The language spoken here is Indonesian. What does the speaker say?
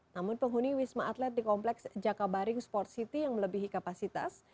namun penghuni wisma atlet di kompleks jakabaring sport city yang melebihi kapasitas